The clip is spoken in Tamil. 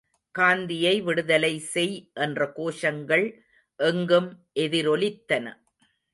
காந்தியை விடுதலை செய் என்ற கோஷங்கள் எங்கும் எதிரொலித்தன.